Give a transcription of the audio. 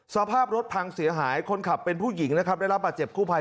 สภาพรถพังเสียหายคนขับเป็นผู้หญิงนะครับได้รับบาดเจ็บกู้ภัย